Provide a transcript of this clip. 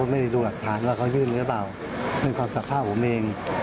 ไม่ได้ดูหลักฐานว่าเขายื่นหรือเปล่าเป็นความสัมภาพผมเอง